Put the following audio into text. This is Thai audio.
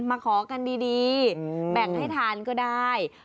มาขอกันดีแบ่งให้ทานก็ได้